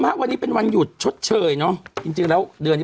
ฮะวันนี้เป็นวันหยุดชดเชยเนอะจริงจริงแล้วเดือนนี้